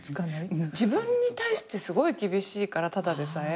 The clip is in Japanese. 自分に対してすごい厳しいからただでさえ。